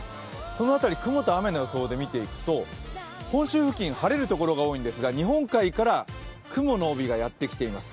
その辺り、雲と雨の予想見ていくと本州付近、晴れるところが多いんですが、日本海から雲の帯がやってきています。